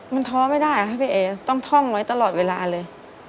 มันท้อไม่ได้ค่ะพี่เอต้องท่องไว้ตลอดเวลาเลย